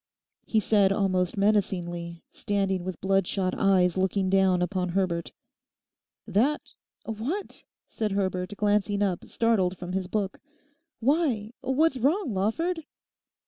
he said almost menacingly, standing with bloodshot eyes looking down upon Herbert. '"That!"—what?' said Herbert, glancing up startled from his book. 'Why, what's wrong, Lawford?